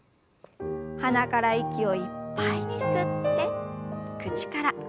鼻から息をいっぱいに吸って口から吐きましょう。